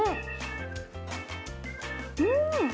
うん！